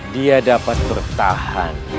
dia dapat bertahan